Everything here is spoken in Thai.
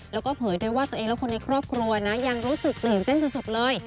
แล้วก็เผยด้วยว่าตัวเองและคนในครอบครัวนะยังรู้สึกตื่นเต้นสุดเลย